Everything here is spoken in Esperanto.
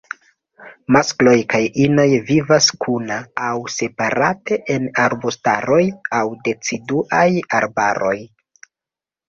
Maskloj kaj inoj vivas kuna aŭ separate en arbustaroj aŭ deciduaj arbaroj.